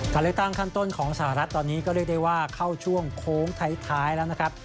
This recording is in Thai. การเลือกตั้งขั้นต้นของสหรัฐตอนนี้ก็เรียกได้ว่าเข้าช่วงโค้งท้ายแล้วนะครับ